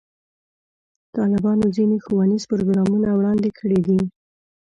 طالبانو ځینې ښوونیز پروګرامونه وړاندې کړي دي.